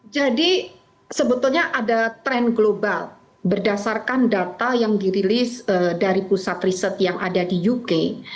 jadi sebetulnya ada tren global berdasarkan data yang dirilis dari pusat riset yang ada di uk